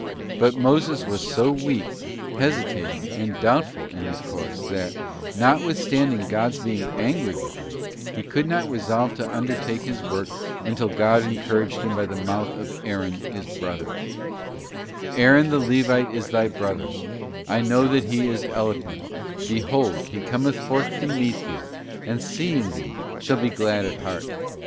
But Moses was so weak, hesitating, and doubtful of his course, that, notwithstanding God's being angry with him, he could not resolve to undertake his work until God encouraged him by the mouth of Aaron his brother: ' Aaron the Levite is thy brother; I know that he is eloquent; behold, he cometh forth to meet thee, and, seeing thee, shall be glad at heart.